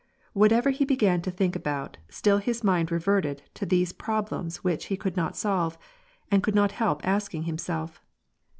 Whatever he began to think about, still his mind reverted to these problems which he could not solve, and could not help asking himself.